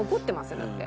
よだって。